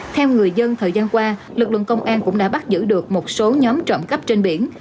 theo người dân thời gian qua lực lượng công an cũng đã bắt giữ được một số nhóm trộm cắp trên biển